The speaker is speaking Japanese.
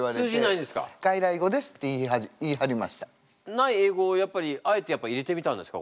ない英語をやっぱりあえてやっぱり入れてみたんですか？